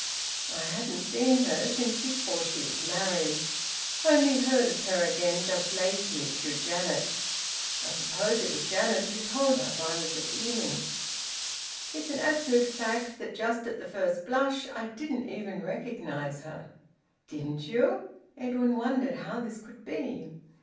I hadn't seen her since before she was married. Only heard of her again just lately through Janet. I suppose it was Janet who told her I was at Ealing. It's an absolute fact that just at the first blush I didn't even recognise her." "Didn't you?" Edwin wondered how this could be.